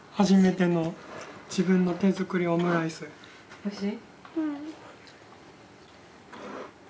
おいしい？